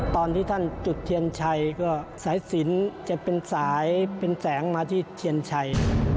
ตอนที่ท่านจุดเทียนชัยก็สายสินจะเป็นสายเป็นแสงมาที่เทียนชัย